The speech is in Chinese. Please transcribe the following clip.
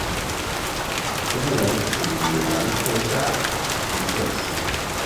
唇兰属是兰科下的一个属。